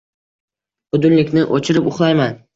- Budilnikni o'chirib, uxlayman!